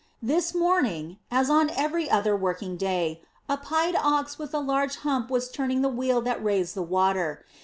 This morning, as on every other working day, a pied ox with a large hump was turning the wheel that raised the water.